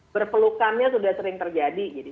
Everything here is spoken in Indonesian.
berpelukannya sudah sering terjadi